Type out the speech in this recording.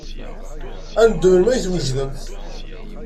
Ad neddu melmi ay t-wejdem.